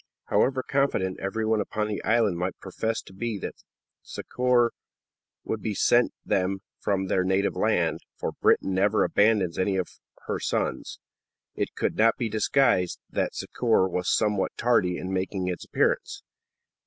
However confident everyone upon the island might profess to be that succor would be sent them from their native land for Britain never abandons any of her sons it could not be disguised that that succor was somewhat tardy in making its appearance.